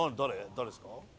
元ですか？